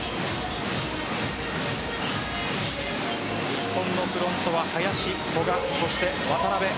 日本のフロントは林、古賀渡邊。